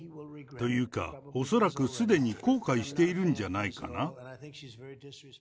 というか、恐らくすでに後悔しているんじゃないかな。